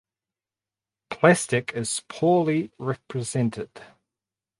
Plastic is poorly represented.